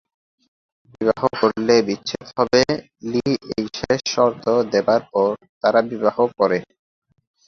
বিবাহ না করলে "বিচ্ছেদ" হবে, লি এই শেষ শর্ত দেবার পর তারা বিবাহ করে।